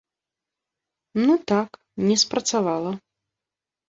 Ну так, не спрацавала.